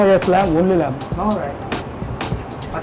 oh iya lampu hanya lampu